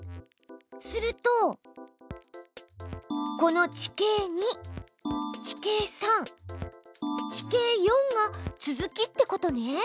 するとこの「地形２」「地形３」「地形４」が続きってことね。